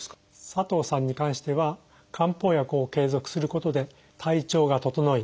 佐藤さんに関しては漢方薬を継続することで体調が整い